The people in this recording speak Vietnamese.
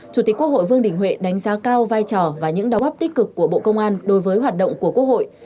chủ tịch quốc hội vương đình huệ đánh giá cao vai trò và những đóng góp tích cực của bộ công an đối với hoạt động của quốc hội